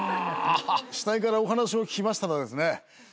死体からお話を聞きましたらですね